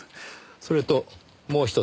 それともう一つ。